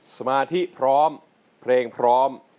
สมาธิพร้อมเพลงพร้อม